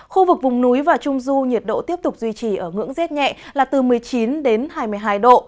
khu vực vùng núi và trung du nhiệt độ tiếp tục duy trì ở ngưỡng rét nhẹ là từ một mươi chín đến hai mươi hai độ